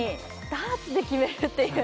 ダーツで決めるっていう。